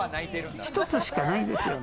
１つしかないですよね。